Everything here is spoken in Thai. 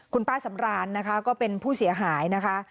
คุณป้าสำรานนะคะก็เป็นผู้เสียหายนะคะ